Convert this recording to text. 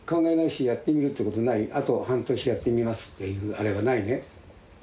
あと半年やってみますっていうあれはないね？